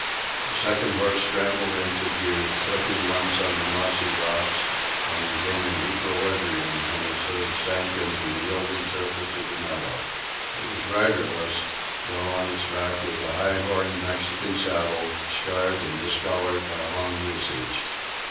A second horse scrambled into view, slipping once on the mossy rocks and regaining equilibrium when its hoofs sank into the yielding surface of the meadow. It was riderless, though on its back was a high horned Mexican saddle, scarred and discolored by long usage.